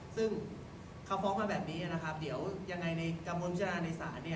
ซึ่งเขาฟ้องมาแบบนี้เดี๋ยวยังไงในกำวดมจราในศาล